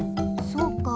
そうか。